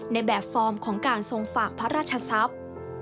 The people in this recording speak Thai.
ในแบบฟอร์มของการทรงฝากพระราชทรัพย์